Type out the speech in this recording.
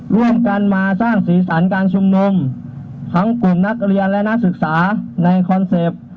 ร่วมกันมาสร้างสีสันการชุมนุมทั้งกลุ่มนักเรียนและนักศึกษาในคอนเซ็ปต์